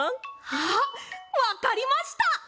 あっわかりました！